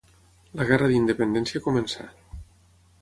La guerra d'independència començà.